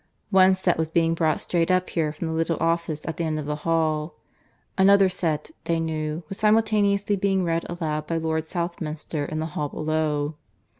One set was being brought straight up here from the little office at the end of the hall. Another set, they knew, was simultaneously being read aloud by Lord Southminster in the hall below.